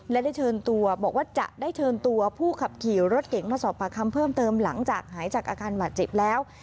และได้เชิญตัวบอกว่าจะได้เชิญตัวผู้ขับขี่รถเก๋งมาสอบปากคำเพิ่มเติมหลังจากหายจากอาการบาดเจ็บแล้ว